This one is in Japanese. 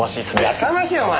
やかましいお前！